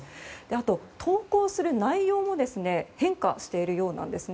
あと、投稿する内容も変化しているようなんです。